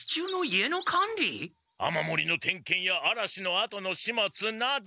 雨もりのてんけんやあらしのあとのしまつなどなど。